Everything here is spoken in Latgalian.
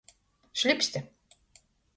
Šlipste.